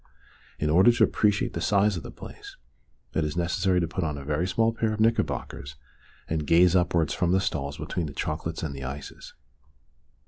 In order to appreciate the size of the place it is necessary to put on a very small pair of knickerbockers and gaze upwards from the stalls between the chocolates and the ices.